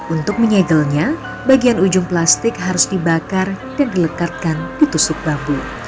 untuk menyegelnya bagian ujung plastik harus dibakar dan dilekatkan ditusuk bambu